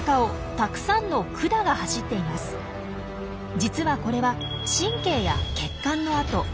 実はこれは神経や血管の跡。